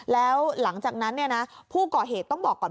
แล้วหลังจากนั้นผู้ก่อเหตุต้องบอกก่อน